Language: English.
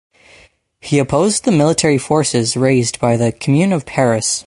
He opposed the military forces raised by the Comune of Paris.